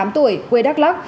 hai mươi tám tuổi quê đắk lắk